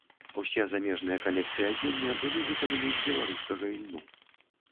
Усе замежныя калекцыі адзення былі выкананы з беларускага ільну.